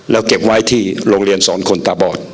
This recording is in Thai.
แล้วเก็บไว้ที่โรงเรียนสอนคนตาบอด